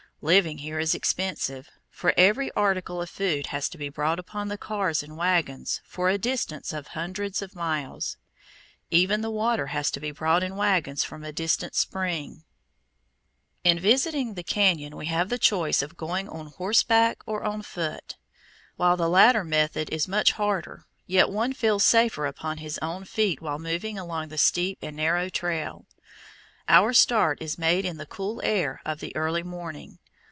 Living here is expensive, for every article of food has to be brought upon the cars and wagons for a distance of hundreds of miles. Even the water has to be brought in wagons from a distant spring. [Illustration: FIG. 4. A SCENE ON THE TRAIL] In visiting the cañon we have the choice of going on horseback or on foot. While the latter method is much harder, yet one feels safer upon his own feet while moving along the steep and narrow trail. Our start is made in the cool air of the early morning.